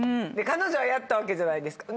彼女はやったわけじゃないですか。